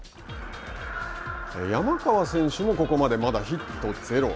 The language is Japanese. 山川選手もここまでまだヒットゼロ。